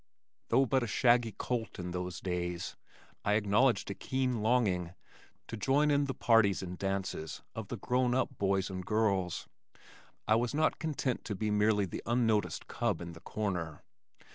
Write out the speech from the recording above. Though but a shaggy colt in those days, I acknowledged a keen longing to join in the parties and dances of the grown up boys and girls. I was not content to be merely the unnoticed cub in the corner.